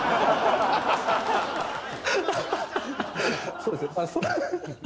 そうですね。